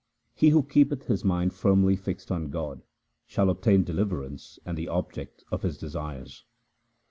He who keepeth his mind firmly fixed on God, shall obtain deliverance and the object of his desires.